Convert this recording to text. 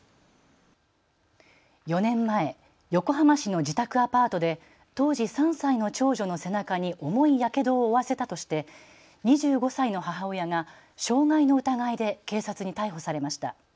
４年前、横浜市の自宅アパートで当時３歳の長女の背中に重いやけどを負わせたとして２５歳の母親が傷害の疑いで警察に逮捕されました。